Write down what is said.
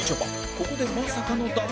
ここでまさかの脱落